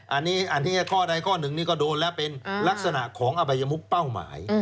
อันนี้ข้อใดข้อหนึ่งนี่ก็โดนแล้วเป็นลักษณะของอบัยมุกเป้าหมาย